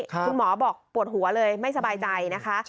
คุณหมอบอกปวดหัวเลยไม่สบายใจนะคะ